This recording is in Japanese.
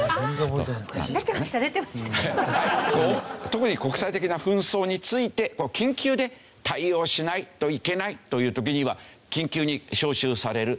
特に国際的な紛争について緊急で対応しないといけないという時には緊急に招集される。